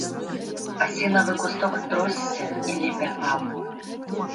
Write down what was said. Асінавы кусток тросся і лепятаў.